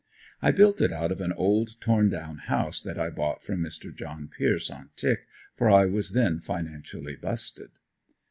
I built it out of an old torn down house that I bought from Mr. John Pierce on "tick" for I was then financially "busted."